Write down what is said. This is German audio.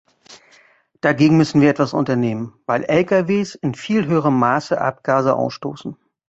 Dagegen müssen wir etwas unternehmen, weil Lkws in viel höherem Maße Abgase ausstoßen.